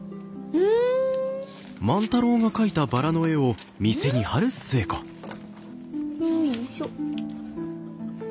うん？よいしょ。